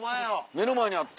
目の前にあった。